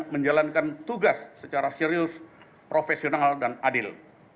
menjalankan tugas secara serius profesional dan adil